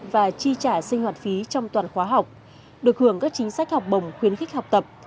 và chi trả sinh hoạt phí trong toàn khóa học được hưởng các chính sách học bổng khuyến khích học tập